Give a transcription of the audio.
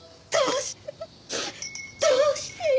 どうしてよ！